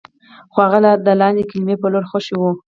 خو هغه د لاندې کلي په لور خوشې و.